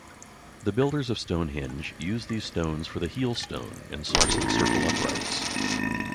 The builders of Stonehenge used these stones for the heelstone and sarsen circle uprights.